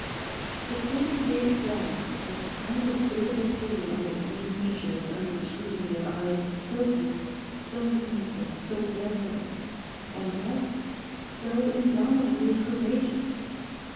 It simply gazed back with a kind of quizzical pity on its lean features under the scrutiny of eyes so deep, so meaningful, so desolate, and yet so indomitably courageous.